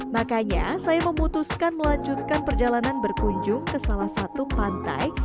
makanya saya memutuskan melanjutkan perjalanan berkunjung ke salah satu pantai